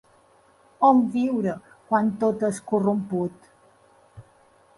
On viure quan tot és corromput?